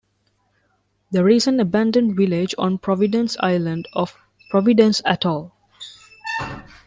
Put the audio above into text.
There is an abandoned village on Providence Island of Providence Atoll.